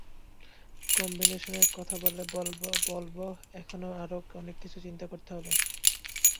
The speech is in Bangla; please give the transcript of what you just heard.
কম্বিনেশনের কথা বললে বলব এখনো আরও অনেক কিছু চিন্তা করতে হবে।